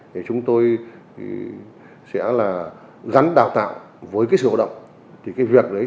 thì chúng tôi sẽ gắn đào tạo với sự hoạt động